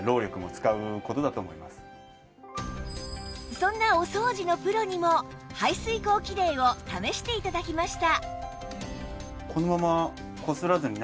そんなお掃除のプロにも排水口キレイを試して頂きました